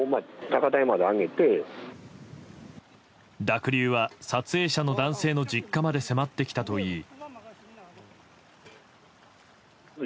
濁流は撮影者の男性の実家まで迫ってきたといい。